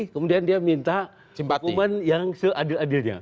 kemudian dia minta hukuman yang seadil adilnya